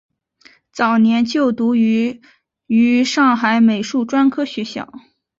早年就读于于上海美术专科学校。